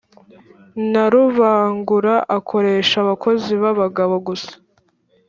Narubangura akoresha abakozi babagabo gusa